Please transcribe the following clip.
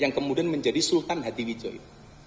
yang kemudian menjadi sultan hati widjoin